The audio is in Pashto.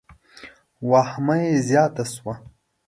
واهمه یې زیاته شوه.